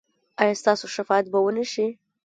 ایا ستاسو شفاعت به و نه شي؟